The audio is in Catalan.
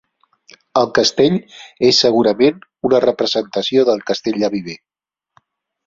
El castell és segurament una representació del Castell de Viver.